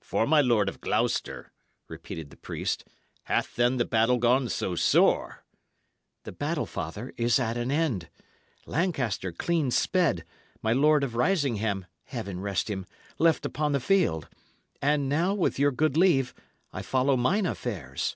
"For my Lord of Gloucester?" repeated the priest. "Hath, then, the battle gone so sore?" "The battle, father, is at an end, Lancaster clean sped, my Lord of Risingham Heaven rest him! left upon the field. And now, with your good leave, I follow mine affairs."